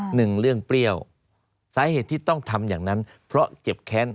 หนึ่งเรื่องเปรี้ยวสาเหตุที่ต้องทำอย่างนั้นเพราะเจ็บแค้น